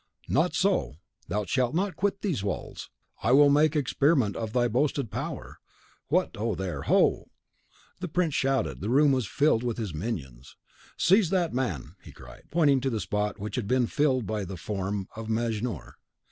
"Not so; thou shalt not quit these walls. I will make experiment of thy boasted power. What, ho there! ho!" The prince shouted; the room was filled with his minions. "Seize that man!" he cried, pointing to the spot which had been filled by the form of Mejnour.